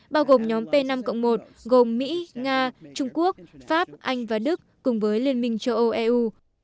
bao gồm nhóm p năm một gồm mỹ nga trung quốc pháp anh và đức cùng với liên minh châu âu eu